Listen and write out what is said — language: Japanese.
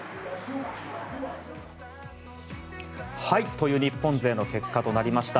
という日本勢の結果となりました。